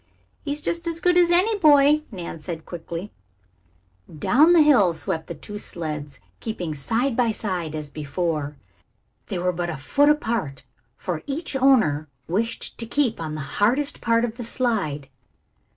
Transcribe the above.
"He is just as good as any boy," said Nan quickly. Down the hill swept the two sleds, keeping side by side as before. They were but a foot apart, for each owner wished to keep on the hardest part of the slide.